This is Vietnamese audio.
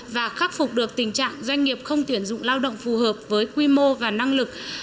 và khắc phục được tình trạng doanh nghiệp không tuyển dụng lao động phù hợp với quy mô và năng lực